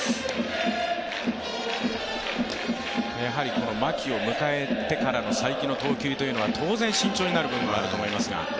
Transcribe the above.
この牧を迎えてからの才木の投球というのは、当然、慎重になる部分があると思いますが。